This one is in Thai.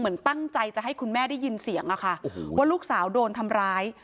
เหมือนตั้งใจจะให้คุณแม่ได้ยินเสียงอะค่ะว่าลูกสาวโดนทำร้าย